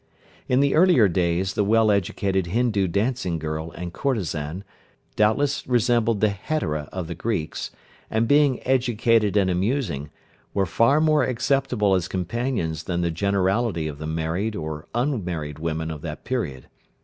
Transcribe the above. In the earlier days the well educated Hindoo dancing girl and courtesan doubtless resembled the Hetera of the Greeks, and being educated and amusing, were far more acceptable as companions than the generality of the married or unmarried women of that period.